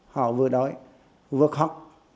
họ vừa đói vừa khóc